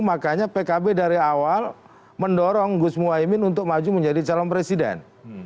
makanya pkb dari awal mendorong gus muhaymin untuk maju menjadi calon presiden